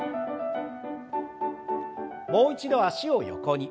もう一度脚を横に。